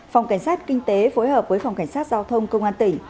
phòng cảnh sát kinh tế phối hợp với phòng cảnh sát giao thông công an tỉnh